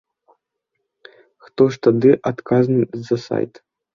Хто ж тады адказны за сайт?